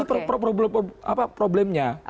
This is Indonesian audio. itu adalah problemnya